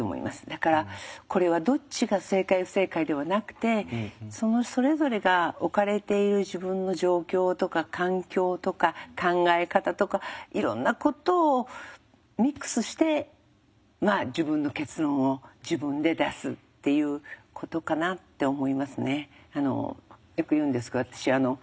だからこれはどっちが正解不正解ではなくてそのそれぞれが置かれている自分の状況とか環境とか考え方とかいろんなことをミックスして自分の結論を自分で出すっていうことかなって思いますね。